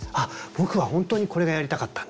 僕は本当にこれがやりたかったんだ。